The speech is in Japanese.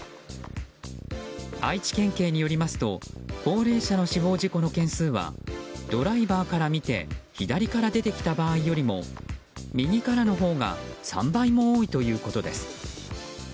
愛知県警によりますと高齢者の死亡事故の件数はドライバーから見て左側から出てきた場合よりも右からのほうが３倍も多いということです。